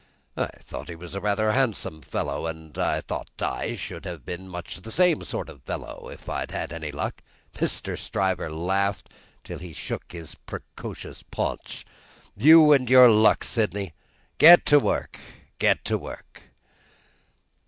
"I thought he was rather a handsome fellow, and I thought I should have been much the same sort of fellow, if I had had any luck." Mr. Stryver laughed till he shook his precocious paunch. "You and your luck, Sydney! Get to work, get to work."